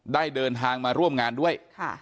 ได้เดินทางมาร่วมงานด้วย